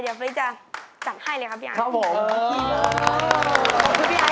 เดี๋ยวพลิกจะจัดให้เลยครับพี่อาย